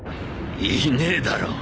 いねえだろ